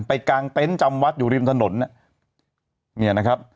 กลางเต็นต์จำวัดอยู่ริมถนนเนี่ยนะครับ